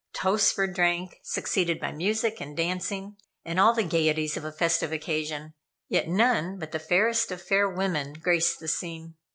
Toasts were drank, succeeded by music and dancing and all the gayeties of a festive occasion, yet none but the fairest of fair women graced the scene.